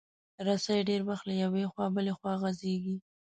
رسۍ ډېر وخت له یوې خوا بله خوا غځېږي.